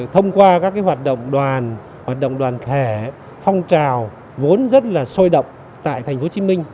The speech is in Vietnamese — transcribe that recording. thông qua các hoạt động đoàn hoạt động đoàn thể phong trào vốn rất là sôi động tại tp hcm